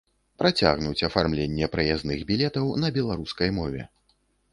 Працягнуць афармленне праязных білетаў на беларускай мове.